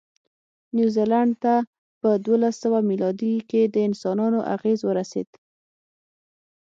نیوزیلند ته په دوولسسوه مېلادي کې د انسانانو اغېز ورسېد.